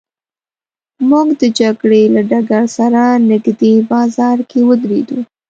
موږ د جګړې له ډګر سره نږدې بازار کې ودرېدو.